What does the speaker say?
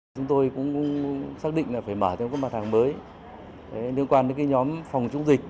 chúng tôi cũng xác định là phải mở thêm các mặt hàng mới liên quan đến nhóm phòng chống dịch